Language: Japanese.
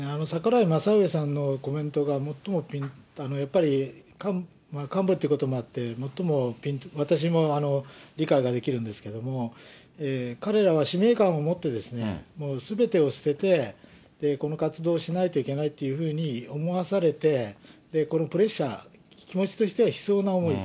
櫻井正上さんのコメントが最もやっぱり幹部ってこともあって、最も私も理解ができるんですけども、彼らは使命感を持って、すべてを捨てて、この活動をしないといけないというふうに思わされて、このプレッシャー、気持ちとしては悲壮な思い。